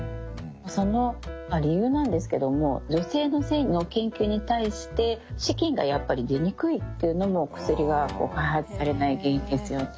その理由なんですけども女性の性の研究に対して資金がやっぱり出にくいっていうのも薬が開発されない原因ですよね。